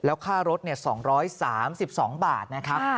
แล้วค่ารถ๒๓๒บาทนะครับ